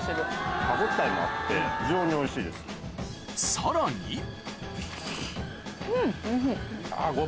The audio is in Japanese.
さらにうんおいしい。